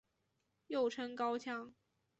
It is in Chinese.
又称高腔。